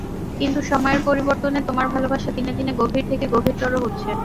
কিন্তু সময়ের পরিবর্তনে তোমার ভালোবাসা দিনে দিনে গভীর থেকে গভীরতর হচ্ছে।